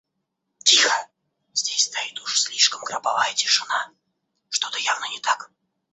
Тихо! Здесь стоит уж слишком гробовая тишина, что-то явно не так.